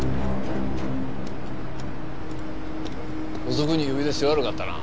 遅くに呼び出して悪かったな。